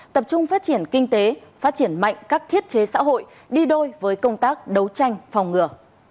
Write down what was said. tập trung phát triển kinh tế phát triển mạnh các thiết chế xã hội đi đôi với công tác đấu tranh phòng ngừa